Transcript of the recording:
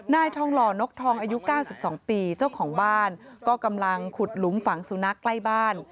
นายทองหล่อนกทองอายุ๙๒ปีเจ้าของบ้านก็กำลังขุดหลุมฝังสุนัขใกล้บ้าน